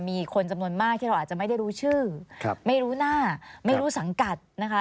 มีคนจำนวนมากที่เราอาจจะไม่ได้รู้ชื่อไม่รู้หน้าไม่รู้สังกัดนะคะ